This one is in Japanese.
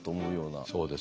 そうですね。